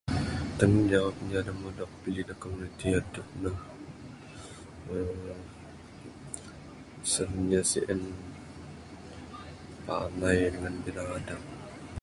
Tanggungjawab da meh dog pilih da komuniti adep ne uhh Sen inya sien panai dangan biradab.